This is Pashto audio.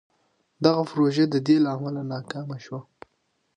دغه پروژه له دې امله ناکامه شوه.